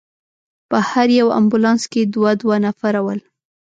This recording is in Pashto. په هر یو امبولانس کې دوه دوه نفره ول.